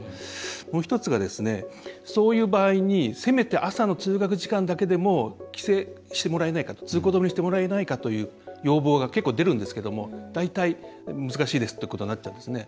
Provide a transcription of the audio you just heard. もう１つが、そういう場合にせめて、朝の通学時間だけでも規制してもらえないかと通行止めにしてもらえないかという要望が結構、出るんですけども大体、難しいですということになっちゃうんですね。